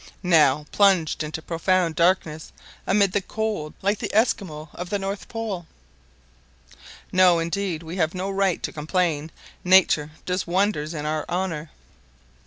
now plunged into profound darkness, amid the cold, like the Esquimaux of the north pole. No, indeed! we have no right to complain; nature does wonders in our honor."